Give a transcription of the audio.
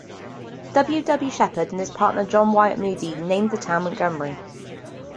W. W. Shepperd and his partner John Wyatt Moody named the town Montgomery.